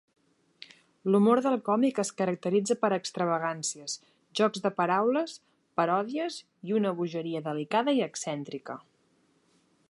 L'humor del còmic es caracteritza per extravagàncies, jocs de paraules, paròdies i una bogeria delicada i excèntrica.